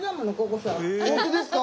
本当ですか？